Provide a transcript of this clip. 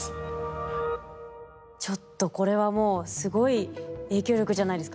ちょっとこれはもうすごい影響力じゃないですか。